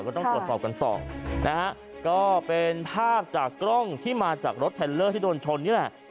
ก็ต้องตรวจสอบกันต่อนะฮะก็เป็นภาพจากกล้องที่มาจากรถเทลเลอร์ที่โดนชนนี่แหละ